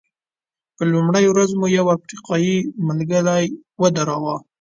په لومړۍ ورځ مو یو افریقایي ملګری ودراوه.